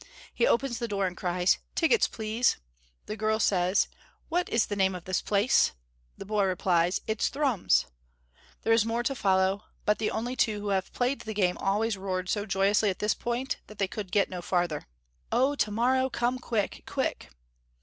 He opens the door and cries, "Tickets, please." The girl says, "What is the name of this place?" The boy replies, "It's Thrums!" There is more to follow, but the only two who have played the game always roared so joyously at this point that they could get no farther. "Oh, to morrow, come quick, quick!"